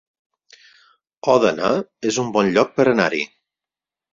Òdena es un bon lloc per anar-hi